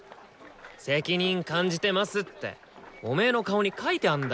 「責任感じてます」っておめの顔に書いてあんだよ！